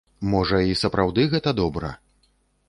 Можа, і сапраўды гэта добра.